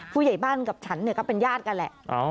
ผู้ใหญ่บ้านกับฉันก็เป็นญาติกันแหละ